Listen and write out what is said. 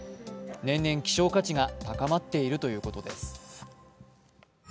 年々希少価値が高まっているということです。